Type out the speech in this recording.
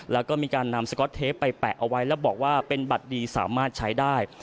แล้วก็มีการนำสก๊อตเทปไปแปะเอาไว้แล้วบอกว่าเป็นบัตรดีสามารถใช้ได้